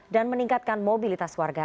dan meningkatkan mobilitas warga